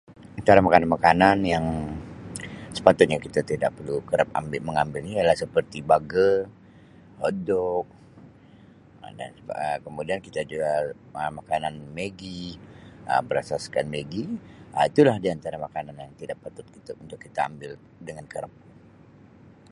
Antara makanan makanan yang sepatutnya kita tidak perlu kerap ambil mengambilnya ialah seperti Burger, Hotdog, dan juga kemudian kita jual makanan Maggi Um berasaskan Maggi Um itu lah di antara makanan yang tidak patut untuk kita ambil dengan kerap.